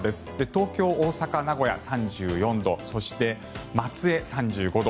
東京、大阪、名古屋３４度そして、松江、３５度。